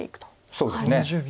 そうですね。